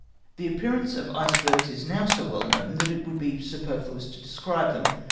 The appearance of icebergs is now so well known that it would be superfluous to describe them.